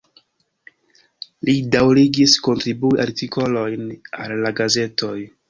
Li daŭrigis kontribui artikolojn al la gazetoj.